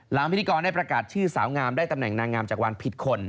พิธีกรได้ประกาศชื่อสาวงามได้ตำแหน่งนางงามจากวันผิดคน